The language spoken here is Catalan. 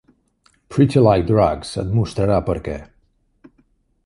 "Pretty Like Drugs" et mostrarà per què.